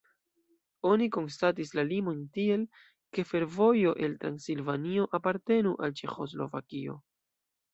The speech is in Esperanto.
Oni konstatis la limojn tiel, ke fervojo el Transilvanio apartenu al Ĉeĥoslovakio.